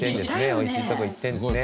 美味しいとこ行ってるんですね